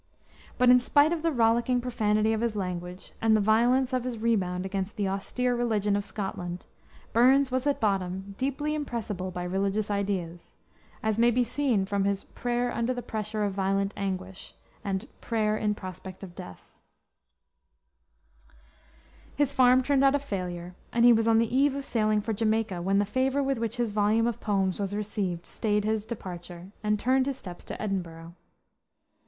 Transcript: But in spite of the rollicking profanity of his language, and the violence of his rebound against the austere religion of Scotland, Burns was at bottom deeply impressible by religious ideas, as may be seen from his Prayer under the Pressure of Violent Anguish, and Prayer in Prospect of Death. His farm turned out a failure, and he was on the eve of sailing for Jamaica, when the favor with which his volume of poems was received, stayed his departure, and turned his steps to Edinburgh.